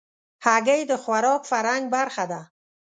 هګۍ د خوراک فرهنګ برخه ده.